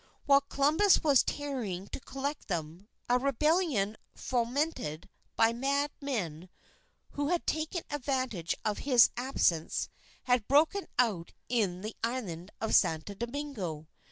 While Columbus was tarrying to collect them, a rebellion fomented by bad men who had taken advantage of his absence, had broken out in the Island of Santo Domingo.